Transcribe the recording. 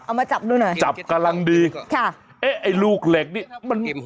มาจับดูหน่อยจับกำลังดีค่ะเอ๊ะไอ้ลูกเหล็กนี่มัน